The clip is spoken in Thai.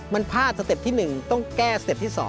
มันพลาดสเต็ปที่๑ต้องแก้สเต็ปที่๒